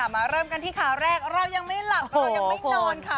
มาเริ่มกันที่ข่าวแรกเรายังไม่หลับเรายังไม่นอนค่ะ